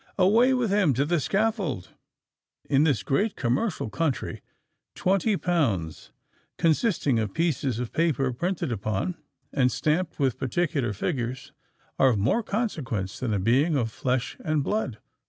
Away with him to the scaffold! In this great commercial country, twenty pounds—consisting of pieces of paper printed upon and stamped with particular figures—are of more consequence than a being of flesh and blood!